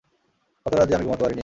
কত রাত যে আমি ঘুমাতে পারিনি।